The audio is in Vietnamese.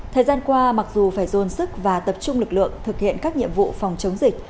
thời gian qua mặc dù phải dồn sức và tập trung lực lượng thực hiện các nhiệm vụ phòng chống dịch